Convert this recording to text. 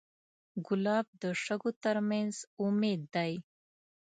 ګلاب د شګو تر منځ امید دی.